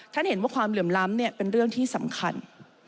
เห็นว่าความเหลื่อมล้ำเป็นเรื่องที่สำคัญ